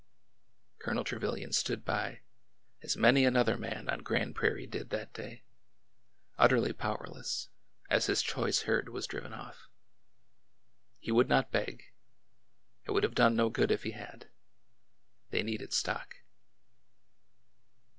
Colonel Trevilian stood by, as many another man on Grand Prairie did that day, utterly powerless, as his choice herd was driven off. He would not beg. It would have done no good if he had. They needed stock.